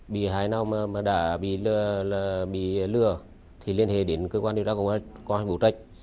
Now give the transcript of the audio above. bị hại nào đã bị lừa thì liên hệ đến cơ quan điều tra công an huyện bố trạch